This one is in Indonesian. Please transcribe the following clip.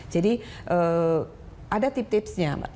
jadi ada tip tipsnya